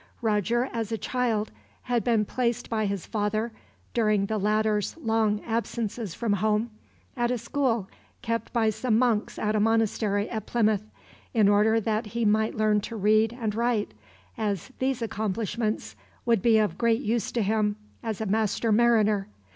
Roger, as a child, had been placed by his father, during the latter's long absences from home, at a school kept by some monks at a monastery at Plymouth, in order that he might learn to read and write as these accomplishments would be of great use to him, as a master mariner.